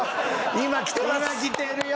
今きてるよ